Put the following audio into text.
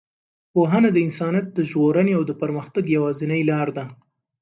پوهنه د انسانیت د ژغورنې او د پرمختګ یوازینۍ لاره ده.